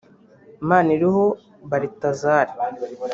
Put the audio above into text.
Maniraho Balthazar